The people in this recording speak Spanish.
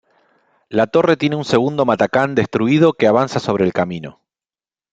La torre tiene un segundo matacán destruido que avanza sobre el camino".